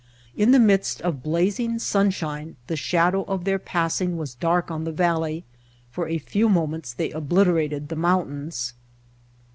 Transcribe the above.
In the midst of blazing sunshine the shadow of their passing was dark on the valley; for a few moments they obliterated the mountains.